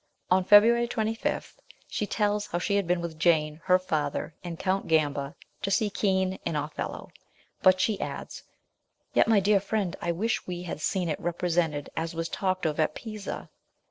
On February 25 she tells how she had been with Jane, her father, and Count Gamba to see Kean in Othello, but she adds :" Yet, my dear friend, I wish we had seen it represented as was talked of at Pisa.